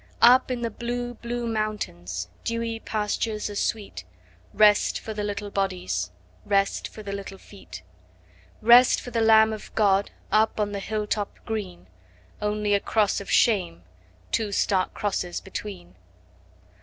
Up in the blue, blue mountains Dewy pastures are sweet: Rest for the little bodies, 15 Rest for the little feet. Rest for the Lamb of God Up on the hill top green, Only a cross of shame Two stark crosses between.